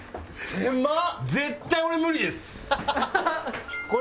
狭っ！